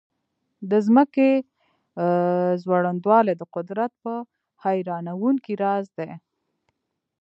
د ځمکې ځوړندوالی د قدرت یو حیرانونکی راز دی.